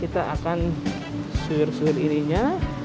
kita akan suhir suhir ininya